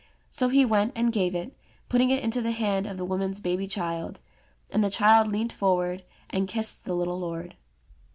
So he went and gave it, putting it into the hand of the woman's baby child ; and the child leant forward and kissed the little lord.